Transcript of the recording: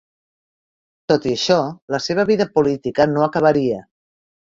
Tot i això, la seva vida política no acabaria.